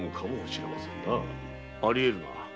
あり得るな。